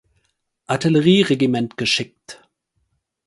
Artillerieregiment geschickt.